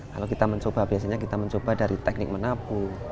lalu kita mencoba biasanya kita mencoba dari teknik menapu